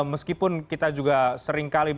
meskipun kita juga seringkali